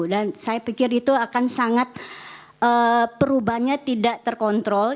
saya pikir itu akan sangat perubahannya tidak terkontrol